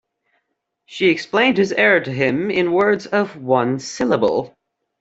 She explained his error to him in words of one syllable.